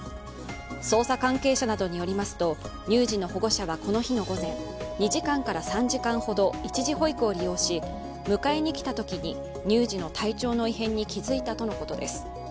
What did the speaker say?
捜査関係者などによりますと乳児の保護者はこの日の午前２時間から３時間ほど一時保育を利用し迎えにきたときに、乳児の体調の異変に気づいたとのことです。